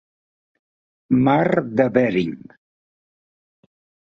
Mar de Bering.